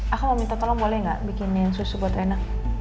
aku mau minta tolong boleh nggak bikinin susu buat enak